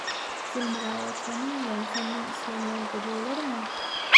sülmüräp oturanyň bilen senden islenýän goja bolarmy?